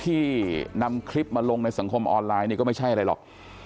ที่นำคลิปมาลงในสังคมออนไลน์เนี่ยก็ไม่ใช่อะไรหรอก